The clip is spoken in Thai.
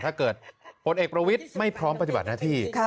ถ้าเกิดผลเอกประวิทย์ไม่พร้อมปฏิบัติหน้าที่